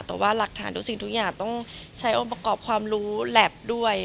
แต่ว่าหลักฐานทุกสิ่งทุกอย่างต้องใช้องค์ประกอบความรู้แล็บด้วย